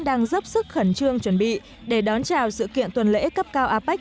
đang dấp sức khẩn trương chuẩn bị để đón chào sự kiện tuần lễ cấp cao apec hai nghìn một mươi bảy